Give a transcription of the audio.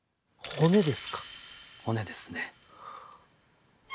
骨ですね。